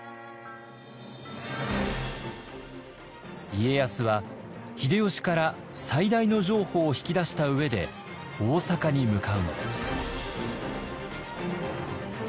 家康は秀吉から最大の譲歩を引き出した上で大坂に向かうのです。